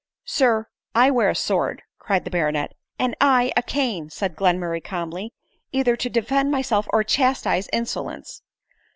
" Sir, I wear a sword," cried the baronet. " And I a cane," said Glenmurray calmly, " either to defend myself or chastise insolence."